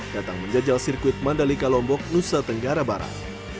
datang menjajal sirkuit mandalika lombok nusa tenggara barat